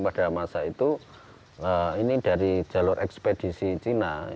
pada masa itu ini dari jalur ekspedisi cina